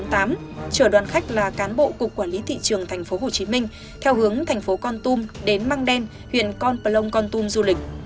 trở đoàn khách là cán bộ cục quản lý thị trường tp hcm theo hướng tp con tum đến mang đen huyện con plông con tum du lịch